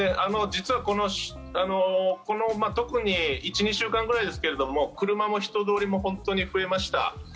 実はこの１２週間ぐらいですが車も人通りも本当に増えました。